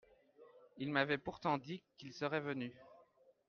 Il m'avait pourtant dit qu'il serait venu.